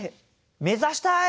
目指したい！